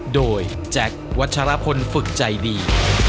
โดยแจ็ควัชรพลฝึกใจดี